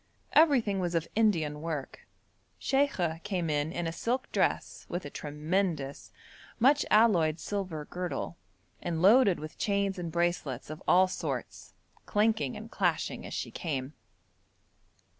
Everything was of Indian work. Sheikha came in in a silk dress with a tremendous, much alloyed silver girdle, and loaded with chains and bracelets of all sorts, clanking and clashing as she came.